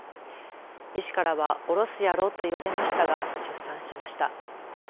医師からはおろすやろと言われましたが出産しました。